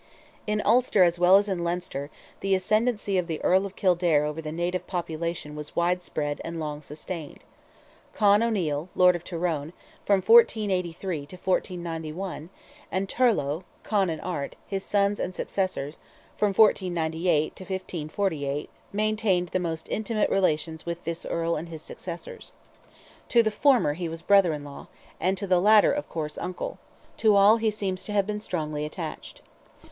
In Ulster as well as in Leinster, the ascendency of the Earl of Kildare over the native population was widespread and long sustained. Con O'Neil, Lord of Tyrone, from 1483 to 1491, and Turlogh, Con and Art, his sons and successors (from 1498 to 1548), maintained the most intimate relations with this Earl and his successors. To the former he was brother in law, and to the latter, of course, uncle; to all he seems to have been strongly attached.